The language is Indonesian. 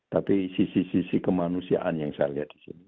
tapi sisi sisi kemanusiaan yang saya lihat di sini